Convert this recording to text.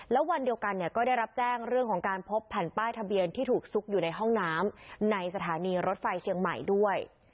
แล้ววันเดียวกันเนี่ยก็ได้รับแจ้งเรื่องของการพบแผ่นป้ายทะเบียนที่ถูกซุกอยู่ในห้องน้ำในสถานีรถไฟเชียงใหม่ด้วย